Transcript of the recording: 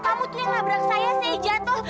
kamu tuh yang nabrak saya saya jatuh